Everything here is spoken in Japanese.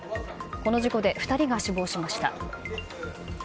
この事故で２人が死亡しました。